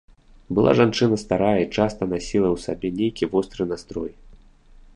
Была жанчына старая і часта насіла ў сабе нейкі востры настрой.